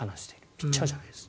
ピッチャーじゃないです。